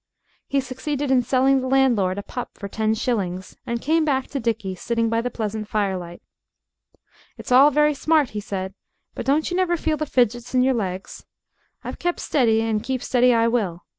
He succeeded in selling the landlord a pup for ten shillings and came back to Dickie sitting by the pleasant firelight. "It's all very smart," he said, "but don't you never feel the fidgets in your legs? I've kep' steady, and keep steady I will.